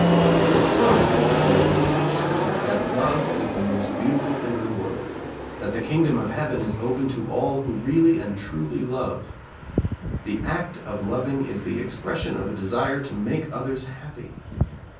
The sum of all His teaching is that love is the most beautiful thing in the world; that the Kingdom of Heaven is open to all who really and truly love. The act of loving is the expression of a desire to make others happy.